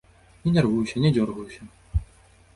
Не нярвуюся, не дзёргаюся.